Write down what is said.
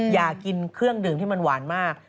อยากกินเครื่องดื่มที่มันหวานมาก